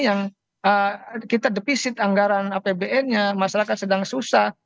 yang kita defisit anggaran apbn nya masyarakat sedang susah